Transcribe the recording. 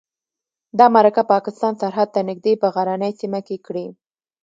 دا مرکه پاکستان سرحد ته نږدې په غرنۍ سیمه کې کړې.